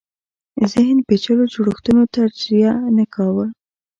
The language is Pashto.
ذهن پېچلو جوړښتونو تجزیه نه کاوه